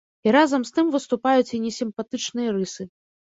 І разам з тым выступаюць і несімпатычныя рысы.